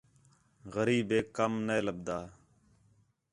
غریبیک کَم نے لَبھدا